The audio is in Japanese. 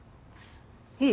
いい？